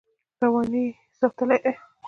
رواني یې ساتلې ده.